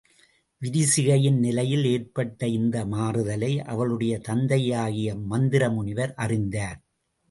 விரிசிகையின் நிலையில் ஏற்பட்ட இந்த மாறுதலை அவளுடைய தந்தையாகிய மந்தரமுனிவர் அறிந்தார்.